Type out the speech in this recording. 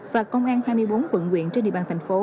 và công an hai mươi bốn quận quyện trên địa bàn thành phố